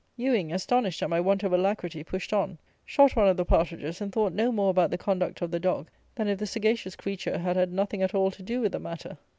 Ewing, astonished at my want of alacrity, pushed on, shot one of the partridges, and thought no more about the conduct of the dog than if the sagacious creature had had nothing at all to do with the matter.